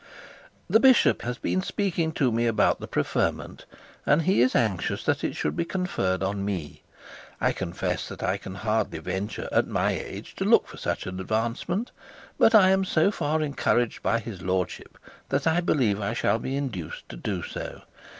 'The bishop has been speaking to me about the preferment, and he is anxious that it should be conferred on me. I confess that I can hardly venture, at my age, to look for such advancement; but I am so far encouraged by his lordship, that I believe I shall be induced to do so.